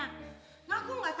aku gak salah papa